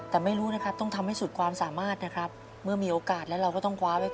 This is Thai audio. แต่ไม่รู้ต้องทำให้สุดความสามารถ